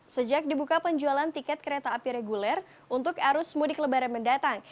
sejak dibuka penjualan tiket kereta api reguler untuk arus mudik lebaran mendatang